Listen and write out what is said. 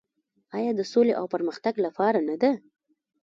آیا د سولې او پرمختګ لپاره نه ده؟